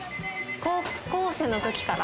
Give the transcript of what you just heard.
高校生の時から。